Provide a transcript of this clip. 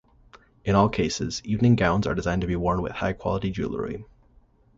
In all cases, evening gowns are designed to be worn with high quality jewellery.